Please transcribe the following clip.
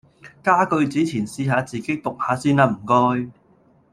加句子前試下自己讀下先啦唔該